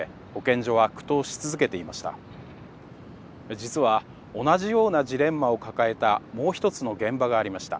実は同じようなジレンマを抱えたもう一つの現場がありました。